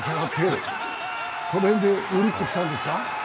この辺でうるっときたんですか？